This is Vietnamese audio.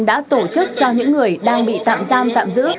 đã tổ chức cho những người đang bị tạm giam tạm giữ